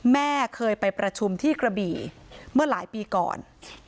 แม่เคยไปประชุมที่กระบี่เมื่อหลายปีก่อน